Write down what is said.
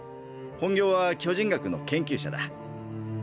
本業は巨人学の研究者だ。